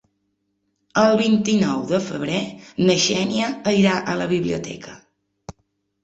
El vint-i-nou de febrer na Xènia irà a la biblioteca.